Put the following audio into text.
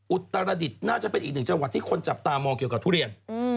อุตรดิษฐ์น่าจะเป็นอีกหนึ่งจังหวัดที่คนจับตามองเกี่ยวกับทุเรียน